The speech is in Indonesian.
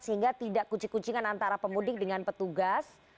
sehingga tidak kucing kucingan antara pemudik dengan petugas